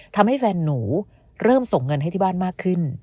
ทำให้แฟนหนูเริ่มส่งเงินให้ที่บ้านมากขึ้น